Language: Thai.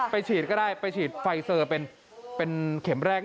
ฉีดก็ได้ไปฉีดไฟเซอร์เป็นเข็มแรก